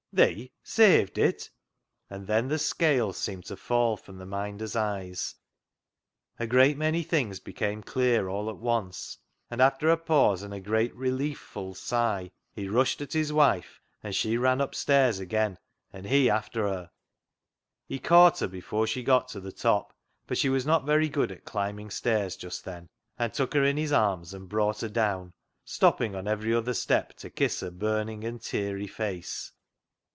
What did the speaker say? " Thee saved it ?" And then the scales seemed to fall from the Minder's eyes, a great many things became clear all at once, and after a pause and a great relief ful sigh, he rushed at his wife, and she ran upstairs again, and he after her. He caught her before she got to the top, for she was not very good at climbing stairs just then, and took her in his arms and brought her down, stopping on every other step to kiss her burning and teary face.